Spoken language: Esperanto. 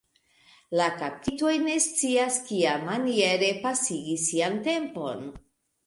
La kaptitoj ne scias, kiamaniere pasigi sian tempon.